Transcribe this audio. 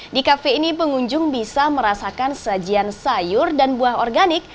di kafe ini pengunjung bisa merasakan sajian sayur dan buah organik